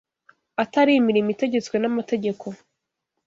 atari imirimo itegetswe n’amategeko.